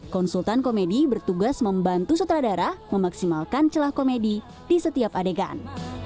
konsultan komedi bertugas membantu sutradara memaksimalkan celah komedi di setiap adegan